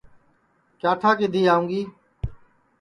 کیا ٹھا کِدھی آوں گی